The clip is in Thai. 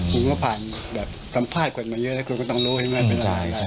ถึงก็ผ่านแบบสัมภาษณ์กว่ามาเยอะแล้วคุณก็ต้องรู้ให้มันเป็นอะไร